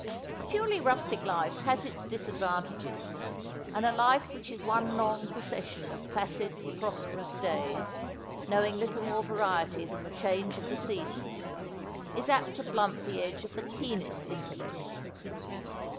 A purely rustic life has its disadvantages, and a life which is one long procession of placid prosperous days, knowing little more variety than the change of the seasons, is apt to blunt the edge of the keenest intellect.